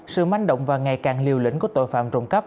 sự manh động và ngày càng liều lĩnh của tội phạm trộm cắp